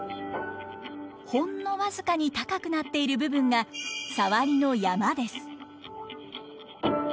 ほんの僅かに高くなっている部分がサワリの山です。